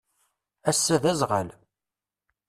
Ass-a d azɣal.